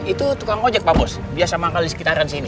itu tukang kojek pak bos biasa makan di sekitaran sini